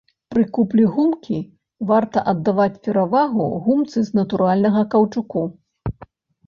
Пры куплі гумкі варта аддаваць перавагу гумцы з натуральнага каўчуку.